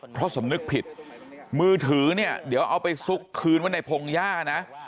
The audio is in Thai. เพราะสำนึกผิดมือถือเนี่ยเดี๋ยวเอาไปซุกคืนไว้ในพงหญ้านะ